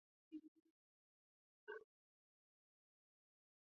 سلطان محمود بن سبکتګین ته نوبت ورسېد.